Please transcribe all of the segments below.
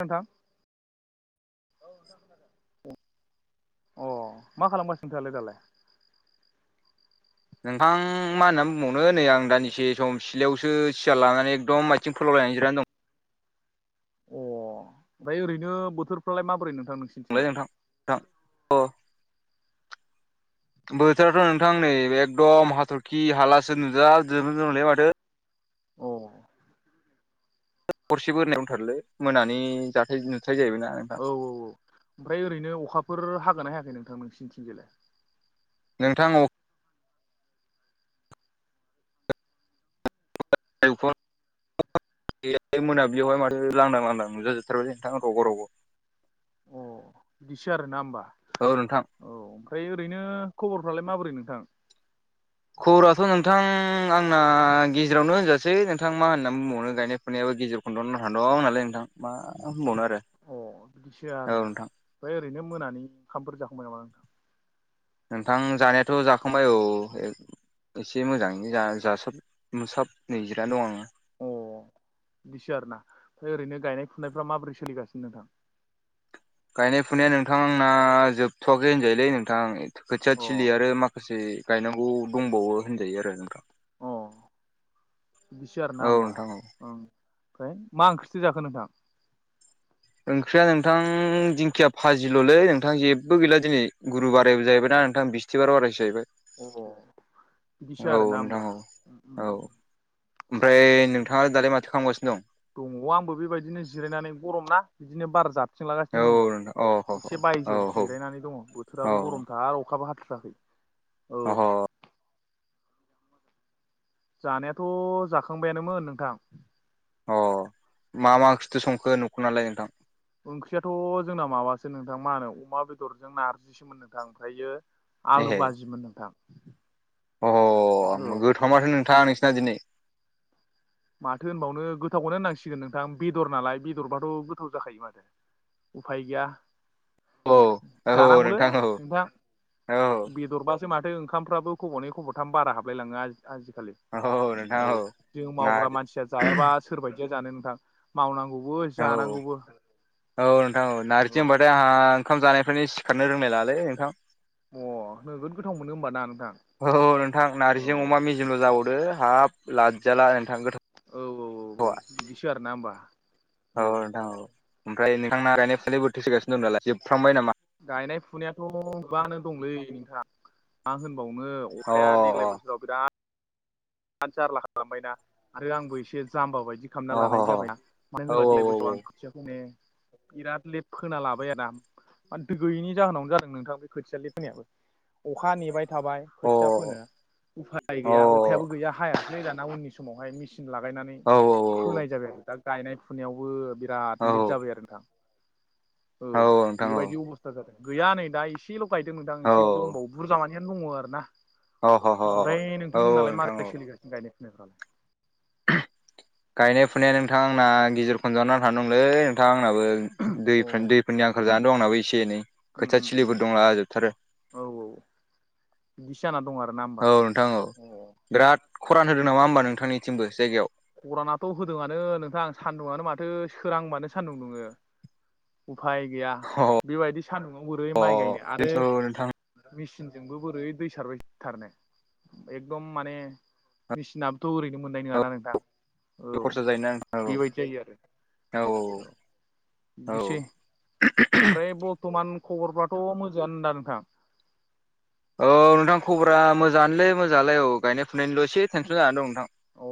नोंथां अ मा खालामगासिनो नोंथाङालै दालाय? नोंथां मा होननानै बुंबावनो नै आं दाननसे सम सिलायावसो सिया लानानै एकदम आथिं फोलावलायनाय जिरनानै दं। अ ओमफ्राय ओरैनो बोथोरफ्रालाय माबोरै नोंथां नोंसिनि? लाय नोंथां नोंथां अ बोथोराथ' नोंथां नै एकदम हाथरखि हालासो नुजा जोबदोंमोनलै माथो। अ। हरसे बोरायाव उथारलो मोनानि जाथाय नुथाय जाहैबाय ना। औ औ औ ओमफ्राय ओरैनो अखाफोर हागोन ना हायाखै नोंथां नोंसिनिथिंजायलाय? नोंथां अ खौ [unintelligible] गैया मोनाबियावहाय माथो लांदां लांदां नुजाजोबथारबाय नोंथां हरावबो अ बिदिसो आर ना होमबा? औ नोंथां। औ ओमफ्राय ओरैनो खबरफ्रालाय माबोरै नोंथां। खबराथ' नोंथां आंना गेजेरावनो होनजासै नोंथां मा होननानै बुंबावनो गायनाय फुनायाबो गिजिर खुन्द'नो थां दं नालाय नोंथां मा होनबावनो आरो अ बिदिसो आरोना नोंथां ओमफ्राय ओरैनो मोनानि ओंखामफोर जाखांबाय नामा नोंथां? नोंथां जानायाथ' जाखांबाय औ। एसे मोजाङैनो जा जासाब मुसाब नै जिरायना दं आङो अ बिदिसो आरोना ओमफ्राय ओरैनो गायनाय फुनायफ्रा माबोरै सोलिगासिनो नोंथां? गायनाय फुनाया नोंथां आंना जोबथ'वाखै होनजायोलै नोंथां खोथिया अ थिलि आरो माखा माखासे गायनांगौ दंबावो होनजायो आरो नोंथां। अ बिदिसो आरोना औ होमबा नोंथां औ ओं ओम फ्राय मा ओंख्रिसो जाखो नोंथां? ओंख्रिया नोंथां दिंखिया फाजिल'लै नोंथां जेबो गैला दिनै गुरु बारायबो जाहैबाय ना नोंथां बिस्थिबार बारायसो जाहैबाय अ बिदिसो औ आरोना होमबा नोंथां औ औ। ओमफ्राय नोंथाङा दालाय माथो खालामगासिनो दं। दङ' आंबो बेबायदिनो जिरायनानै गरमना बिदिनो बार जाथ थिं दं लागासिनो औ नै नोंथां अ ह एसे बायजोआव ह औ जिरायनानै दङ' औ बोथोराबो गरम दा अखाबो हाथाराखै औ। अ ह जानायाथ' जाखांबायानोमोन नोंथां। अ मा मा अखिथु संखो नुखु नालाय नोंथां। ओंख्रियाथ' जोंना माबासो नोंथां मा होनो अमा बेदरजों नारजिसोमोन नोंथां ओमफ्रायो आलु एहे बाजिमोन नोंथां। औ अ गोथाव माथो नोंथाङा नोंसिना दिनै माथो होनबावनो गोथावखौनो होननांसिगोन नोंथां बेदर नालाय बेदरबाथ' गोथाव जाखायो माथो। उफाय गैया औ औ जानांगौलै औ नोंथां। औ बेदरबासो माथो ओंखामफ्राबो खब'नै खब'थाम बारा हाबलायलाङो आजि-आजिखालि। औ नोंथां औ जों मावग्रा नारजि मानसिया जायाबा सोर बायदिया जानो नोंथां। मावनांगौबो औ जानांगौबो। औ नोंथां नारजि औ। होनबाथाय आंहा ओंखाम जानायफोरानो सिखारनो रोंलाय लाङालै नोंथां। अ नोगोद गोथाव मोनो होमबा ना नोंथां। औ नोंथां औ नारजिजों अमा मेजेमल' जाबावदो हाब लादजाला नोंथां गोथाव औ औ थावा बिदिसो आरोना होमबा औ नोंथां औ। ओमफ्राय नोंथांना गायनाय फुनायफ्रा बोरैथो सोगासिनो दं दालाय जोबफ्रांबाय नामा? गायनाय फुनायाथ' गोबाङानो दंलै नोंथां मा होनबावनो। अ अखाया अ देग्लाय बोसोराव बिराद राद जारला खालामबायना आरो आंबो एसे जाम्बा बायदि अ खालामना लानाय जाबायना मानो अ औ होनोब्ला देगाय बोसोराव आं खोथियाखौनो बिराद लेद फोना लाबाय आरोना मा दै गैयिनि जाहोनावनो जादों नोंथां बे खोथिया लिद फैनायाबो अखा नेबाय थाबाय औ खोथिया अ फोनो उफाय अ औ गैया अखा खायाबो गैया हायासै दाना उननि समावहाय मेसिन लागायनानै औ औ औ फोनाय जाबाय आरो दा गायनाय फुनायावबो बिराद औ लेट जाबाय आरो नोंथां औ नोंथां औ बेबायदि अबस्था था जादों गैया नै दा एसेल' गायदों नोंथां औ एसे दंबावो बुरजा मानियानो दङो आरो ना औ ह ह ओमफ्राय औ नोंथांमोननालाय नोंथां मारै औ सोलिगासिनो गायनाय फुनायफ्रालाय गायनाय फुनाया नोंथां आंना गेजेर खनदवानो नांथाना दंलै नोंथां आंनाबो अ दैफ्रा दै फोरनि आंखाल जाना दं आंनाबो एसे एनै उ खोथिया उ उ थिलिफोर दंला जोबथारो औ औ बिदिसो जाना दं आरो ना होमबा औ नोंथां औ अ बिराद खरान होदों नामा होमबा नोंथांनिथिंबो जायगायाव गरानाथ' होदोंआनो नोंथां सान्दुङानो माथो सोरांबानो सान्दुं दुङो उफाय गैया अ बेबायदि सान्दुङाव बोरै माइ गायनो औ आरो नोंथां मेसिनजोंबो बोरै दै सारबायथारनो एकदम माने मेसिनाबोथ' ओरैनो मोननाय नङाना नोंथां औ खरसा जायोना नोंथां औ बेबायदि जायो आरो औ औ बिदिसै ओमफ्राय बरथ'मान खबरफ्राथ' मोजांङानो दा नोंथां औ नोंथां खबरा मोजाङानोलै मोजाङालै औ गायनाय फुनायनिल' एसे टेनसन जानानै दं नोंथां अ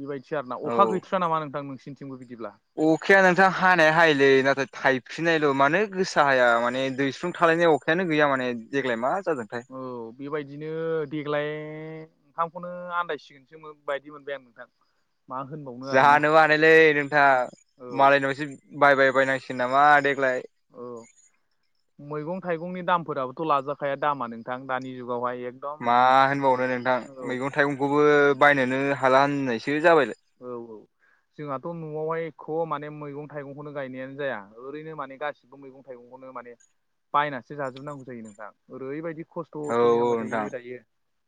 बेबायदि आरोना अखा औ गैथ्रा नामा नोंथां नोंसिनिथिंबो बिदिब्ला अखाया नोंथां हानाया हायोलै नाथाय थाइफ्रिननायल' मानो गोसा हाया माने दैस्लुं थालायनाय अखा अखायानो गैया माने देग्लाय मा जादोंथाय औ बेबायदिनो देग्लाय ओंखामखौनो आदायसिगोन सोमोन बायदि मोनबाय आं नोंथां मा होनबावो जाहानोबो हानायलै नोंथां औ मालायनावसो बायबाय बायनांसिगोन नामा देग्लाय औ मैगं थाइगंनि दामफोराबोथ' लाजाखाया दामा नोंथां दानि जुगावहाय एक मा होनबावनो नोंथां मैगं थाइगंखौबो बायनोनो हाला होननायसो जाबाय औ [inaudible] जोंहाथ न'वावहाय एख माने मैगं थाइगंखौनो गायनायानो जाया ओरैनो माने गासिबो मैं मैगं थाइगंखौनो माने बायनानैसो जाजोबनांगौ जायो नोंथां ओरैबायदि खस्थ' औ थ' औ सोलिनांबाय नोंथां थायो दायो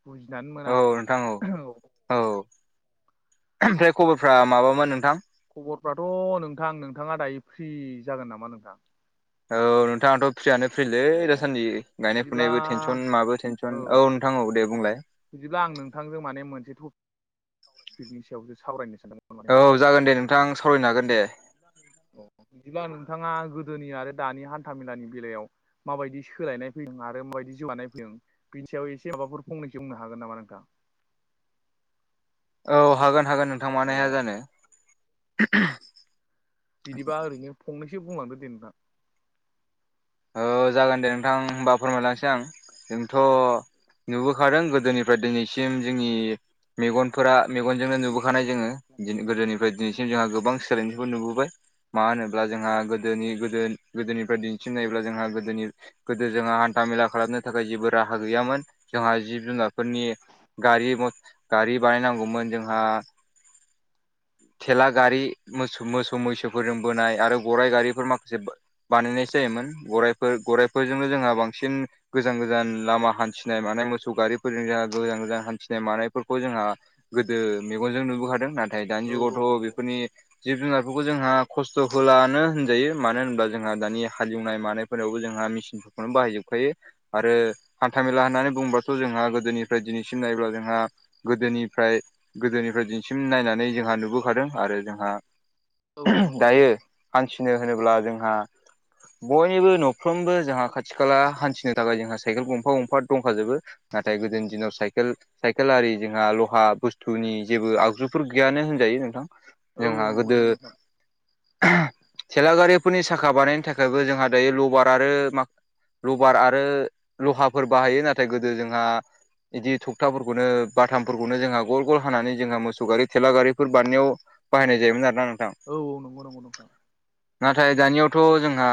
बुजिनानै मोना औ नोंथां औ औ ओमफ्राय खबरफ्रा माबामोन नोंथां खबरफ्राथ' नोंथां नोंथाङा दायो फ्रि जागोन नामा नोंथां औ नोंथाङाथ' फ्रियानो फ्रिलै अ दासान्दि गायनाय बिदिब्ला फुनायबो टेनसन माबो टेनसन औ नोंथा औ दे बुंलाय बिदिब्ला आं नोंथांजों माने मोनसे टपिकनि सायावसो सावरायनो सानदोंमोन माने नोंथां औ जागोन दे नोंथां सावरायनो हागोन दे औ बिदिब्ला नोंथाङा गोदोनि आरो दानि हान्थामेलानि बेलायाव माबायदि सोलायनाय फैदों आरो माबायदि जौगानाय फैदों बिनि सायाव एसे माबाफोर फंनैसै बुंनो हागोन नामा नोंथां औ हागोन हागोन नोंथां अ मानो हाया जानो बिदिबा ओरैनो फंनसो बुंलांदोेे दे नोंथां औ जागोन दे नोंथां होमबा फोरमायलांनोसै आं जोंथ' नुबोखादों गोदोनि ओमफ्राय दिनैसिम जोंनि मेगनफोरा मेगनजोंनो नुबोखानाय जोङो गोदोनि फ्राय दिनैसिम जोंहा गोबां सोलायनायखौ नुबोबाय मा होनोब्ला जोंहा गोदोनि गोदोनिफ्राय दिन्थिनायब्ला जोंहा गोदोनि गोदो जोंहा हान्था मेला खालामनो थाखाय जेबो राहा गैयामोन जोंहा जिब जुनारफोरनि गारि गारि बानायनांगौमोन जोंहा थेला गारि मोसौ मोसौ मैसोफोरजों बोनाय आरो गराइ गारिफोर माखासे बानायनाय जायोमोन गराइफोर गराइफोरजोंनो जोंहा बांसिन गोजान गोजान लामा हान्थिनाय मानाय मोसौ गारिफोरजों जोंहा गोजान गोजान हान्थिनाय मानायफोरखौ जोंहा गोदो मेगनजों नुबोखादों नाथाय दानि औ औ जुगावथ' बेफोरनि जिब जुनारफोरखौ जोंहा खस्थ' होलानो होनजायो मानो होनोबा जोंहा दानिया हालेवनाय मानायफोरावबो जोंहा मेचिनफोरखौनो बाहायजोबखायो आरो हान्थामेला होननानै बुंङोबाथ' जोंहा गोदोनिफ्राय दिनैसिम नायोब्ला जोंहा गोदोनिफ्राय गोदोनिफ्राय दिनसिम नायनानै जोंहा नुबोखादों आरो जोंहा औ औ नंगौ दायो हान्थिनो होनोब्ला जोंहा बयनिबो न'फ्रोमबो जोंहा खाथि खाला हान्थिनो थाखाय जोंहा साइकेल गंफा गंफा दंखाजोबो नाथाय गोदोनि दिनाव साइकेल साइकेल आरि जोंहा लहा बुस्थुनि जेबो आगजुफोर गैयानो होनजायो नोंथां जोंहा गोदो नंगौ नोंथां थेलागारिफोरनि साखा बानायनो थाखायबो जोंहा दायो लभार आरो माखासे लबार आरो लहाफोर बाहायो नाथाय गोदो जोंहा बिदि थखथाफोरखौनो बाथामफोरखौनो जोंहा गल गल हानानै जोंहा मोसौ गारि थेलागारिफोर बानायनायाव बाहायनाय जायोमोन आरो ना नोंथां औ औ नंगौ नंगौ नोंथां नाथाय दानियावथ' जोंहा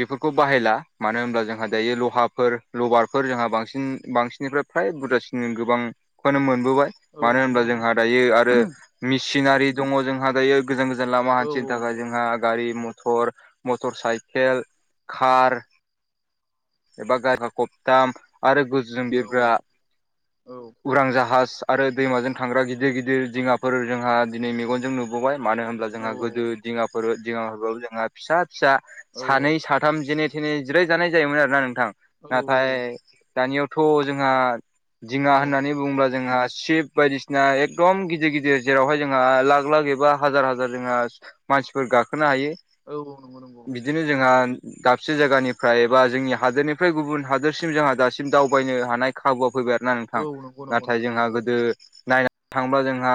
बेफोरखौ बाहायला मानो होनब्ला जोंहा दायो लहाफोर लबारफोर जोंहा बांसिन बांसिननिफ्राय फ्राय बुरजासिन गोबांखौनो मोनबोबाय औ मानो नंगौ होनबा नंगौ जोंहा नोंथां दायो आरो मेसिनारि दङ जोंहा दायो गोजान गोजान लामा औ हान्थिनो थाखाय नंगौ नंगौ जोंहा नोंथां गारि मथर मटर साइकेल कार एबा गायफा खबथाम आरो गोजौजों औ औ बिरग्रा नंगौ औ उरां जाहाज आरो दैमाजों थांग्रा गिदिर गिदिर दिङाफोर जोंहा दिनै मेगनजों नु मानो होनब्ला औ जोंहा गोदो दिङाफोर दिङाखौ जोहा फिसा फिसा औ सानै सा सथाम जेने थेने जिराय जानाय जायोमोन आरोना नोंथां नाथाय दानियावथ' जोंहा दिङा होननानै बुङोब्ला जोंहा शिब बायदिसिना एकदम गिदिर गिदिर जेरावहाय जोंहा लाख लाख एबा हाजार हाजार जोंहा मानसिफोर गाखोनो हायो औ औ नंगौ नंगौ बिदिनो जोंहा दाबसे जायगानिफ्राय एबा जोंनिया हादोरनिफ्राय गुबुन हादोरसिम जोंहा दासिम दावबायनो हानाय खाबुआ फैबाय आरो ना नोंथां औ नंगौ नंगौ नाथाय नोंथां जोंहा नंगौ गोदो नायनानै थांबा जोंहा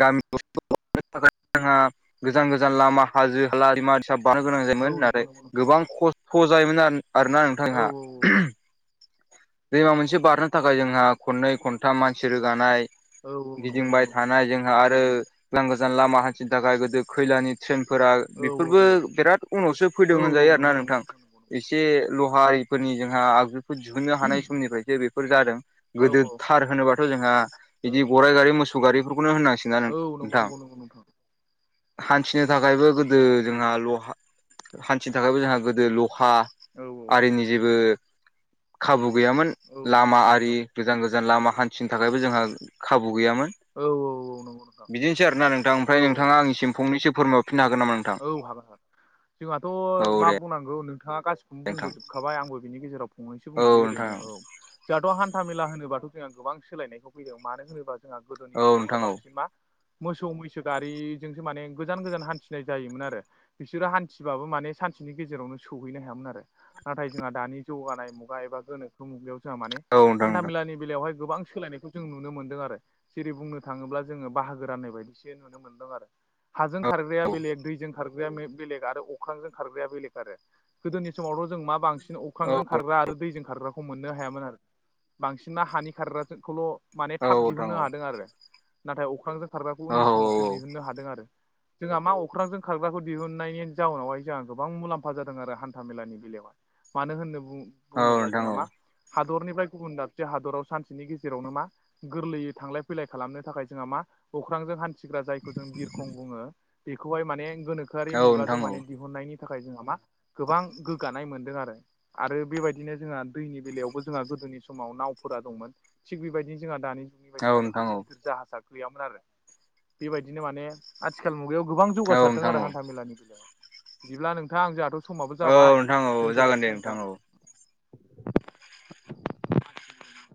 गामि थाखाय जोंहा गोजान गोजान लामा हाजो हालाम फिसा बानो गोनां औ जायोमोन नंगौ नाथाय नंगौ नोंथां गोबां खस्थ' जायोमोन आरोना नोंथां‌ औ जोंहा दैमा मोनसे बारनो थाखाय जोंहा खननै खनथाम मानसि रोगानाय औ औ नंगौ गिदिंबाय नंगौ नोंथां थानाय जोंहा आरो गोजान गोजान लामा हान्थिनो थाखाय गोदो खैलानि ट्रेनफोरा औ बेफोरबो औ औ बिराद उनावसो औ फैदों औ होनजायो आरो ना नंगौ नंगौ नोंथां नंगौ नंगौ एसे लहारिफोरनि जोंहा आगजुखौ दिहुननो हानाय समनिफ्रायसो बेफोर जादों औ गोदो थार होनोबाथ' जोंहा औ बिदि गराइ गारै मोसौ सौगारिफोरखौनो होननांसिगोन ना औ नंगौ नोंथां नंगौ नंगौ नोंथां हान्थिनो थाखायबो गोदो जोंहा लहा हान्थिनो थाखायबो जोंहा गोदो लहा औ हारिनि जेबो खाबु गैयामोन औ नंगौ लामा नंगौ आरि नोंथां गोजान गोजान लामा हान्थिनो थाखायबो जोंहा खाबु गैयामोन औ औ औ नंगौ नोंथां बिदिनोसै आरोना नोंथां औ ओमफ्राय नोंथाङा आंनिसिम फंनैसो फोरमायरफिननो हागोन नामा नों औ हाबाय जोंहाथ' औ मा दे बुंनांगौ नोंथाङा गासिखौबोनो बुंबो नोंथां थुखाबाय आंबो बिनि गेजेराव फंनैसो औ बुंसै नोंथां ओरैनो औ जाहाथ' हान्था मेला होनोबाथ' जोंहा गोबां सोलायनायखौ फैदों मानो होनोबा जों गोदोनि औ समावहाय नोंथां औ बांसिन मा मोसौ मैसो गारिजोंसो माने गोजान गोजान हान्थि फनाय जायोमोन आरो बिसोरो हान्थिबाबो माने सानसेनि गेजेरावनो सौहैनो हायामोन आरो नाथाय जोंहा दानि जौगानाय मुगा एबा गोनोखो लियाव जोंहा माने औ नोंथां हान्था नोंथां मेलानि बेलायावहाय गोबां सोलायनायखौ जों नुनो मोन्दों आरो जेरै बुंनो थाङोब्ला जोङो बाहागो राननाय बायदिसो नुनो मोनदों आरो हाजों खारग्राया औ बेलेग दैजों खारग्रा बेले आरो अख्रांजों खारग्राया बेलेग आरो गोदोनि समावथ' जों मा बांसिन औ हुखांजों खारग्रा आरो दैजों खारग्राखौ मोननो हायामोन आरो बांसिनना हानि खारग्राखौल' माने औ थाब नोंथां औ दिहुननो हादों आरो नाथाय अख्रांजों खारग्राखौ औ नोंथां औ उननि समावसो दिहुननो हादों आरो जोंहा मा अख्रांजों खारग्राखौ दिहुननायनि जाउनावहाय जोंहा गोबां मुलाम्फा जादों आरो हान्था मेलानि बेलायावहाय मानो होननो बुङोब्ला नोंथां जोंहा औ मा हादरनिफ्राय गुबुन दाबसे हादराव सानसेनि गेजेरावनो मा गोरलैयै थांलाय फैलाय खालामनो थाखाय जोंहा मा अख्रांजों हान्थि जायखौ जों बिरखं बुङो बेखौहाय माने गोनोखोआरि औ नोंथां मुगाजों माने दिहुननायनि थाखाय जोंहा मा गोबां गोग्गानाय मोनदों आरो आरो बेबायदिनो जोंहा दैनि बेलायावबो जोंहा गोदोनि समाव नावफोरा दंमोन थिग बेबायदिनो जोंहा दानि जुग ब माने गिदिर गिदिर जाहाजा गैयामोन आरो बेबायदिनो माने आथिखाल मुगायाव गोबां औ जौगासारदों आरो हान्था मेलानि बेलायावाय बिदिब्ला नोंथाङां आं जोंहाथ' समाबो औ जाबाय नोंथां औ जागोन दे दोन्थ'लायनोसै नोंथां औ